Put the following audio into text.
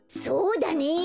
そうだね！